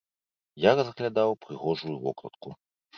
Я разглядаў прыгожую вокладку.